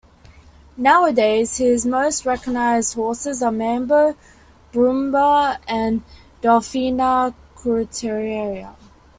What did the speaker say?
Nowadays his most recognized horses are "Mambo", "Bruma" and "Dolfina Cuartetera".